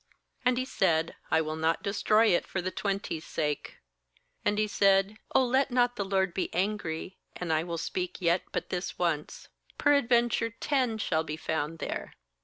And He said : 'I will not destroy it for the twenty's sake.' ^And he said: fOh, let not the Lord be angry, and I will speak yet but this once. Peradventure ten shall be found there.'